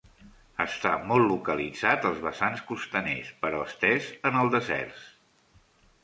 Està molt localitzat als vessants costaners, però estès en els deserts.